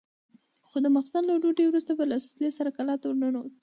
خو د ماخستن له ډوډۍ وروسته به له وسلې سره کلا ته ورننوت.